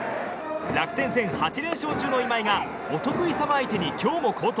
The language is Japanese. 楽天戦８連勝中の今井がお得意様相手に今日も好投。